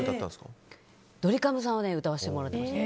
ドリカムさんを歌わせてもらいました。